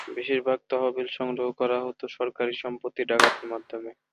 বেশিরভাগ তহবিল সংগ্রহ করা হতো সরকারি সম্পত্তি ডাকাতির মাধ্যমে।